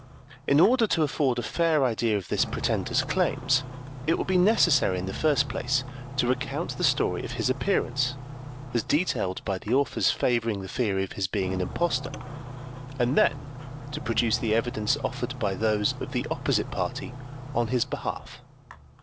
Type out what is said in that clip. In order to afford a fair idea of this pretender's claims, it will be necessary in the first place to recount the story of his appearance as detailed by the authors favouring the theory of his being an impostor, and then to produce the evidence offered by those of the opposite party on his behalf.